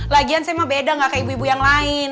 lagian saya mah beda nggak kayak ibu ibu yang lain